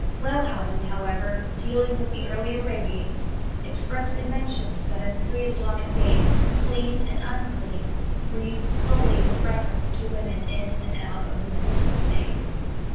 Wellhausen, however, dealing with the early Arabians, expressly mentions that in pre Islamic days, "clean" and "unclean" were used solely with reference to women in and out of the menstrual state.